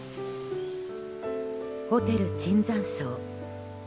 ホテル椿山荘。